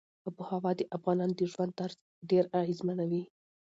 آب وهوا د افغانانو د ژوند طرز ډېر اغېزمنوي.